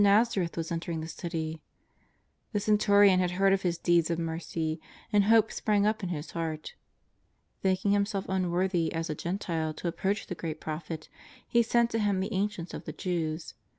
^azareth was entering the city. The centurion had heard of His deeds of mercy, and hope sprang up in his heart. Thinking himself unworthy as a Gentile to ap proach the great Prophet, he sent to Him the ancients of the Jews.